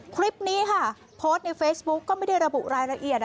คลิปนี้ค่ะโพสต์ในเฟซบุ๊กก็ไม่ได้ระบุรายละเอียด